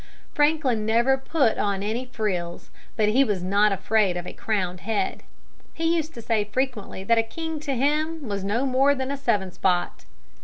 Franklin never put on any frills, but he was not afraid of a crowned head. He used to say, frequently, that a king to him was no more than a seven spot.